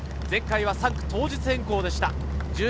前回は３区、当日変更でした。